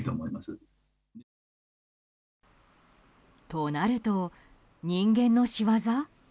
となると、人間の仕業？